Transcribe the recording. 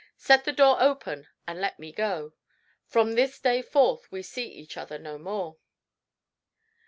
Set the door open and let me go. From this day forth we see each other no more."